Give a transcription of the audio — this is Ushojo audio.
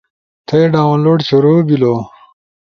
تھئی ڈالؤنلوڈ شروع بلو